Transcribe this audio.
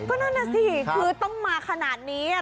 ก็นั่นน่ะสิคือต้องมาขนาดนี้